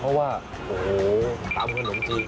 เพราะว่าโอ้โหตำขนมจีน